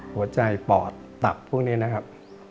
หัวใจปอดตับพวกนี้นะครับ